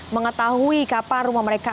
mengetahui kapan rumah mereka